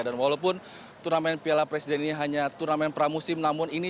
dan walaupun turnamen piala presiden ini hanya turnamen pramusim